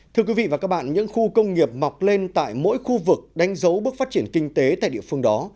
thưa quý vị và các bạn những khu công nghiệp mọc lên tại mỗi khu vực đánh dấu bước phát triển kinh tế tại địa phương đó